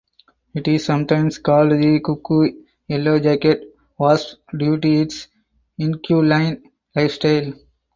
It is sometimes called the cuckoo yellowjacket wasp due to its inquiline lifestyle.